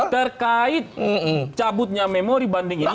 terkait cabutnya memori banding itu